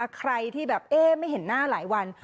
ใครที่แบบเอ๊ะไม่เห็นหน้าหลายวัน